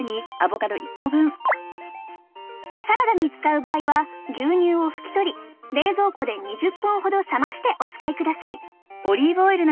サラダに使う場合は牛乳を拭き取り冷蔵庫で２０分ほど冷ましてお使いください。